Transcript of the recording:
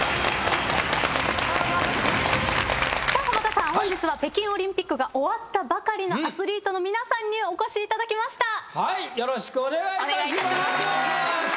浜田さん、本日は北京オリンピックが終わったばかりのアスリートの皆さんによろしくお願いいたします。